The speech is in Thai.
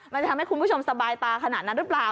มันจะทำให้คุณผู้ชมสบายตาขนาดนั้นหรือเปล่า